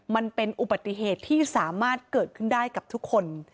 มันเป็นอุบัติเหตุที่สามารถเกิดขึ้นได้กับทุกคน